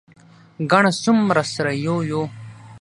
ګڼه څومره سره یو یو.